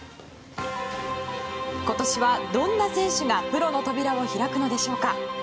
今年は、どんな選手がプロの扉を開くのでしょうか。